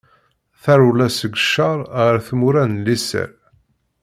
Tarewla seg ccer ɣer tmura n liser.